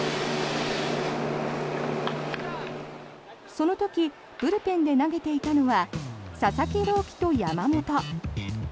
その時ブルペンで投げていたのは佐々木朗希と山本。